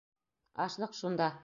Ашлыҡ шунда.